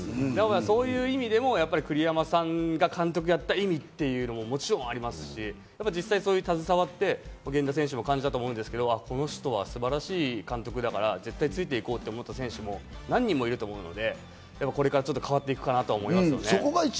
そういう意味で栗山さんが監督をやった意味というのも、もちろんありますし、実際、携わって源田選手も感じたと思うんですけど、この人は素晴らしい監督だから絶対ついて行こうと思った選手も何人もいると思うので、これから変わっていくかなと思いますね。